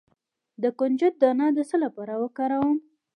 د کنجد دانه د څه لپاره وکاروم؟